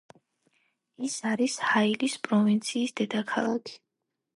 ის არის ჰაილის პროვინციის დედაქალაქი.